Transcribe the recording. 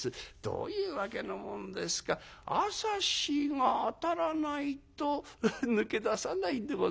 どういうわけのもんですか朝日が当たらないと抜け出さないんでございますよ」。